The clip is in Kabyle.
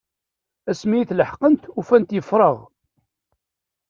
Asmi i t-leḥqent ufant yeffreɣ.